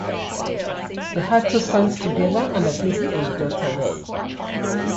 They had two sons together and at least eight daughters.